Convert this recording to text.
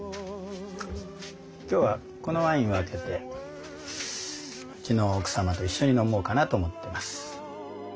今日はこのワインを開けてうちの奥様と一緒に飲もうかなと思っています。